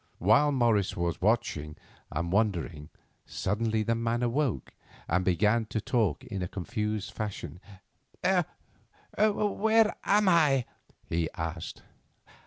While Morris was watching and wondering, suddenly the man awoke, and began to talk in a confused fashion. "Where am I?" he asked.